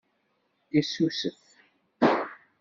Yessusef.